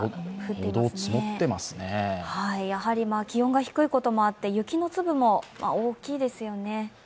気温が低いこともあって、雪の粒も大きいですよね。